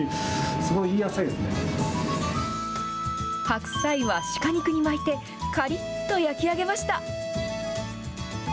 白菜は鹿肉に巻いて、かりっと焼き上げました。